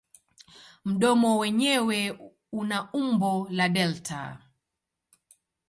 Mdomo wenyewe una umbo la delta.